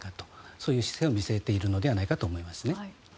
そういう姿勢を見せたのではないかと思います。